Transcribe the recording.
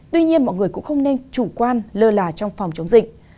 tuy nhiên mọi người cũng không nên chủ quan lơ là trong phòng chống dịch